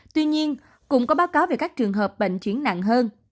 tuy nhiên cũng có báo cáo về các trường hợp bệnh chuyển nặng hơn